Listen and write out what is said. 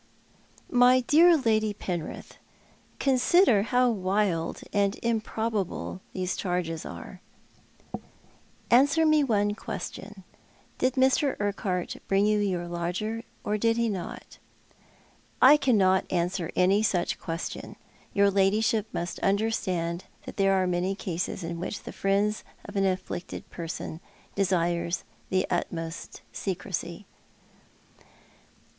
" My dear Lady Penrith, consider how wild and improbable these charges are." 244 Thou ai't the Man, "Answer me one question. Did Mr. Urquliart bring yon your lodger, or did he not ?"" I cannot answer any such question. Your ladyship must understand that there are many cases in which the friends of an afflicted person desire the utmost secrecy."